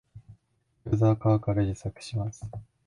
ギョウザは皮から自作します